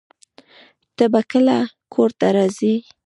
ته به کله کور ته راځې؟